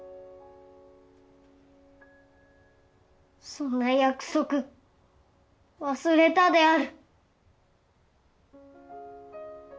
そんな約束忘れたである。